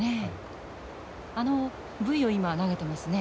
あのブイを今投げてますね。